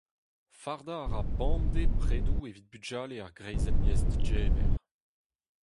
Fardañ a ra bemdez predoù evit bugale ar greizenn liesdegemer.